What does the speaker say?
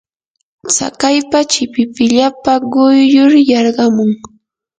tsakaypa chipipillapa quyllur yarqamun.